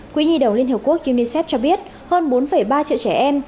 quỹ nhi đồng liên hợp quốc unicef cho biết hơn bốn ba triệu trẻ em